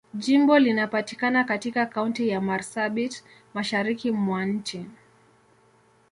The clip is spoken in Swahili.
Jimbo linapatikana katika Kaunti ya Marsabit, Mashariki mwa nchi.